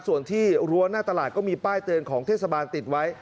ส่วนที่รั้วหน้าตลาดก็มีป้ายเตือนของเทศบาลติดไว้